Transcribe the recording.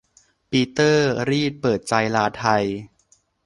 ปีเตอร์ รีดเปิดใจลาไทย